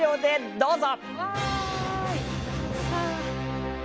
どうぞ。